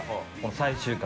最終回。